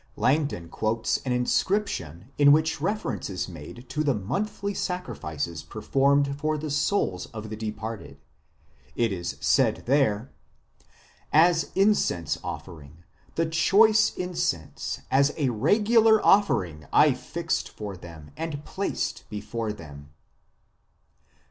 Langdon quotes an inscription in which reference is made to the monthly sacrifices performed for the souls of the departed ; it is said there :"... As incense offering, the choice incense as a regular offering I fixed for them and placed before them."